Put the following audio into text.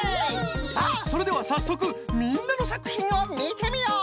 さあそれではさっそくみんなのさくひんをみてみよう！